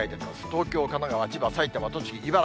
東京、神奈川、千葉、埼玉、栃木、茨城。